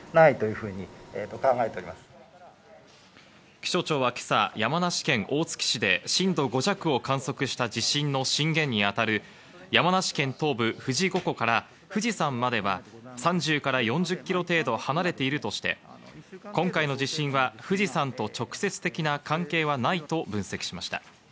気象庁は今朝、山梨県大月市で震度５弱を観測した地震の震源にあたる山梨県東部・富士五湖から富士山までは３０４０ｋｍ程度離れているとして、今回の地震は富士山と直接的な関係はないと分析しました。